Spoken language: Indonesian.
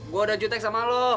gue udah jutek sama lo